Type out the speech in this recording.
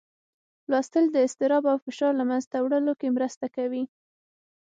لوستل د اضطراب او فشار له منځه وړلو کې مرسته کوي